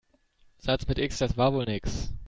Satz mit X, das war wohl nix.